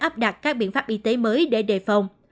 áp đặt các biện pháp y tế mới để đề phòng